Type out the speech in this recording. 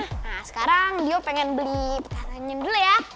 nah sekarang dio pengen beli petasannya dulu ya